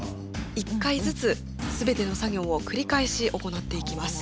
１階ずつ全ての作業を繰り返し行っていきます。